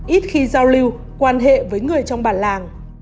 ít khi giao lưu quan hệ với người trong bản làng